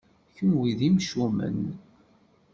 Kenwi d imcumen!